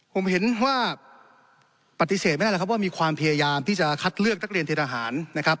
ผมเห็นว่าปฏิเสธไม่ได้แล้วครับว่ามีความพยายามที่จะคัดเลือกนักเรียนเททหารนะครับ